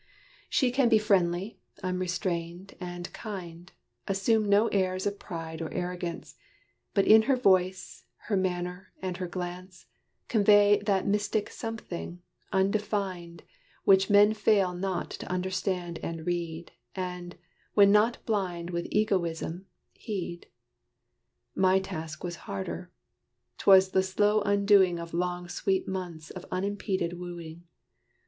She can be friendly, unrestrained, and kind, Assume no airs of pride or arrogance; But in her voice, her manner, and her glance, Convey that mystic something, undefined, Which men fail not to understand and read, And, when not blind with egoism, heed. My task was harder. 'T was the slow undoing Of long sweet months of unimpeded wooing.